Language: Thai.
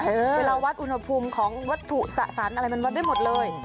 เวลาวัดอุณหภูมิของวัตถุสะสันอะไรมันวัดได้หมดเลย